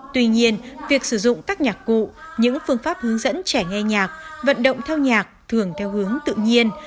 tuy nhiên việc sử dụng các nhạc cụ những phương pháp hướng dẫn trẻ nghe nhạc vận động theo nhạc thường theo hướng tự nhiên